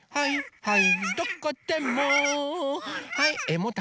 はい。